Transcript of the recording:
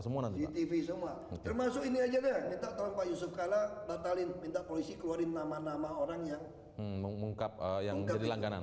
semua nanti tv semua termasuk ini aja minta polisi keluarin nama nama orang yang mengungkap